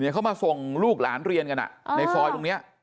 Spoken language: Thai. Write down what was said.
เขามาส่งลูกหลานเรียนกันในซอยตรงนี้